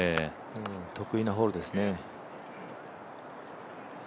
得意なホールですね。